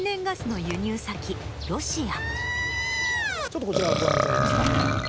ちょっとこちらご覧いただけますか。